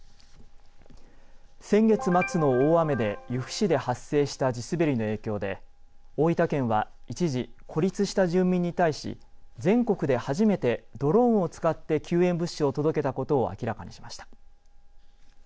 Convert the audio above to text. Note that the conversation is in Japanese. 先月末の大雨で由布市で発生した地滑りの影響で大分県は一時孤立した住宅住民に対し全国で初めてドローンを使って救援物資を届けたことを明らかにしました。